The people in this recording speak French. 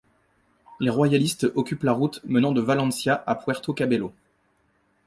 Les royalistes occupent la route menant de Valencia à Puerto Cabello.